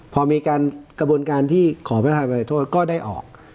พอมีการกระบวนการที่ขอพระธาภัยโทษก็ได้ออก